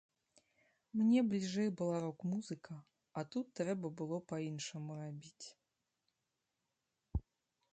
Мне бліжэй была рок-музыка, а тут трэба было па-іншаму рабіць.